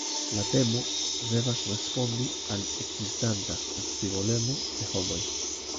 La temo devas respondi al ekzistanta scivolemo de homoj.